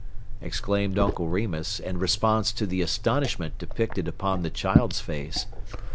exclaimed Uncle Remus, in response to the astonishment depicted upon the child's face.